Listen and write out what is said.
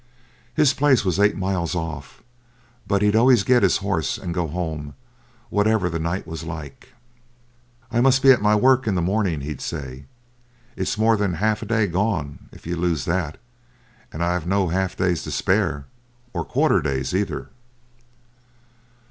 His place was eight miles off, but he'd always get his horse and go home, whatever the night was like. 'I must be at my work in the morning,' he'd say; 'it's more than half a day gone if you lose that, and I've no half days to spare, or quarter days either.'